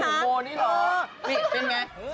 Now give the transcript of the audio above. นี่หรือนี่หรอ